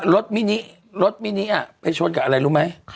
รถมินิรถมินิอ่ะไปชนกับอะไรรู้ไหม